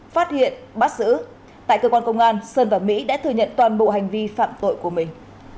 phát hiện bắt giữ tại cơ quan công an sơn và mỹ đã thừa nhận toàn bộ hành vi phạm tội của mình